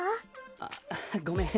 ああごめん